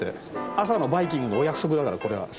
朝のバイキングのお約束だからこれは。